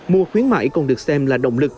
mùa khuyến mãi còn được xem là động lực